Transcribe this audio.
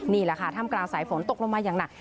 นี่แหละค่ะถ้ามกราศัยฝนตกลงมายังน่ะ